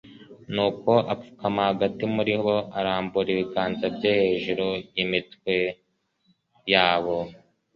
nuko apfukama hagati muri bo, arambura ibiganza bye hejuru y'imitwe yabo,